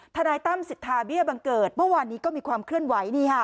ทนายตั้มสิทธาเบี้ยบังเกิดเมื่อวานนี้ก็มีความเคลื่อนไหว